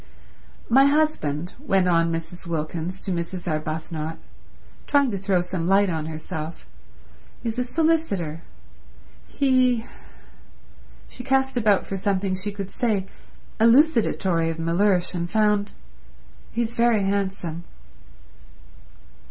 "My husband," went on Mrs. Wilkins to Mrs. Arbuthnot, trying to throw some light on herself, "is a solicitor. He—" She cast about for something she could say elucidatory of Mellersh, and found: "He's very handsome."